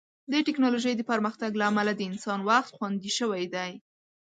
د ټیکنالوژۍ د پرمختګ له امله د انسان وخت خوندي شوی دی.